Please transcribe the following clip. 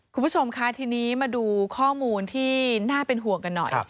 คุณผู้ชมค่ะทีนี้มาดูข้อมูลที่น่าเป็นห่วงกันหน่อย